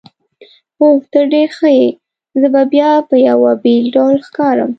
اوه، ته ډېر ښه یې، زه به بیا په یوه بېل ډول ښکارم.